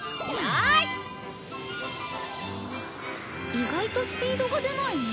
意外とスピードが出ないね。